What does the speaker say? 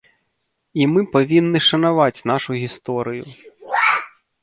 І мы павінны шанаваць нашую гісторыю.